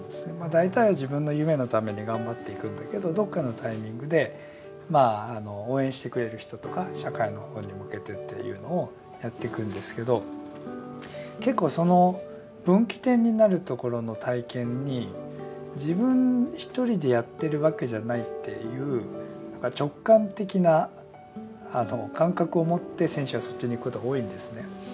大体は自分の夢のために頑張っていくんだけどどっかのタイミングでまああの応援してくれる人とか社会の方に向けてっていうのをやっていくんですけど結構その分岐点になるところの体験に自分一人でやってるわけじゃないっていう直感的な感覚を持って選手はそっちにいくことが多いんですね。